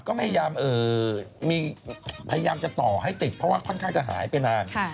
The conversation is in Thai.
ก็พยายามจะต่อให้ติดเพราะว่าค่อนข้างจะหายไปนาน